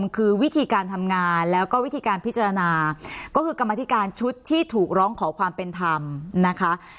คือวิธีการทำงานแล้วก็วิธีการพิจารณาก็คือกรรมธิการชุดที่ถูกร้องขอความเป็นธรรมนะคะ